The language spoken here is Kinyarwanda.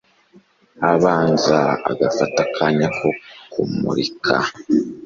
abanza agafata akanya ko kumurika